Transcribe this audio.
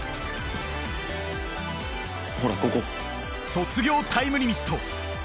「卒業タイムリミット」。